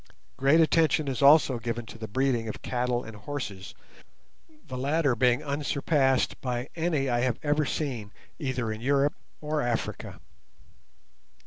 Great attention is also given to the breeding of cattle and horses, the latter being unsurpassed by any I have ever seen either in Europe or Africa.